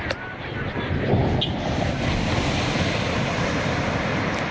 อ้าว